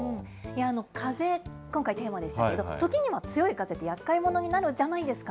風、今回テーマでしたけれども、時には強い風ってやっかいものになるじゃないですか。